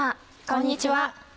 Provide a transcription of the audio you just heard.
こんにちは。